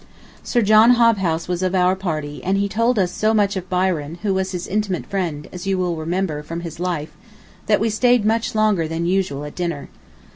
... Sir John Hobhouse was of our party and he told us so much of Byron, who was his intimate friend, as you will remember from his Life, that we stayed much longer than usual at dinner.